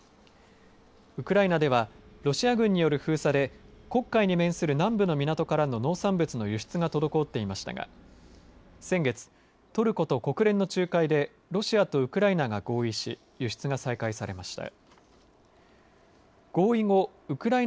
ウクライナではロシア軍による封鎖で黒海に面する南部の港からの農産物の輸出が滞っていましたが先月、トルコと国連の仲介でロシアとウクライナが合意し輸出が再開されました。